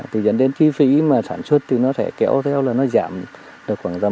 thì dẫn đến chi phí mà sản xuất thì nó sẽ kéo theo là nó giảm được khoảng tầm hai mươi ba mươi